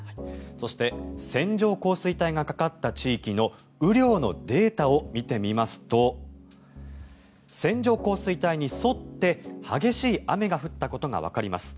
そして線状降水帯がかかった地域の雨量のデータを見てみますと線状降水帯に沿って激しい雨が降ったことがわかります。